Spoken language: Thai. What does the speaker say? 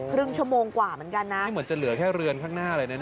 ครึ่งชั่วโมงกว่าเหมือนกันนะนี่เหมือนจะเหลือแค่เรือนข้างหน้าเลยนะ